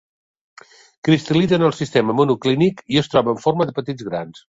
Cristal·litza en el sistema monoclínic, i es troba en forma de petits grans.